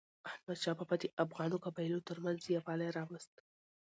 احمدشاه بابا د افغانو قبایلو ترمنځ یووالی راوست.